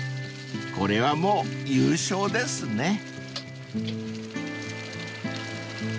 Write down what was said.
［これはもう優勝ですね］